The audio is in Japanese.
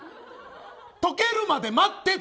溶けるまで待ってって！